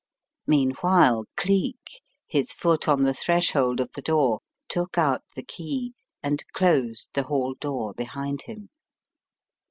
Meanwhile Cleek, his foot on the threshold of the door, took out the key, and closed the hall door behind him.